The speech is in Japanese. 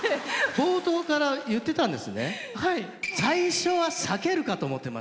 冒頭から言ってたんですね。